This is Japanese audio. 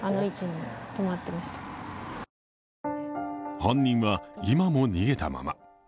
犯人は今も逃げたまま。